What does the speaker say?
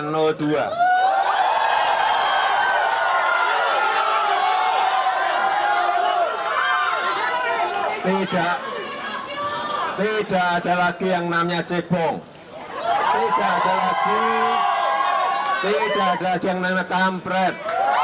tidak ada lagi yang namanya cebong tidak ada lagi yang namanya kampret